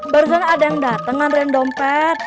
barusan ada yang datang ngambilin dompet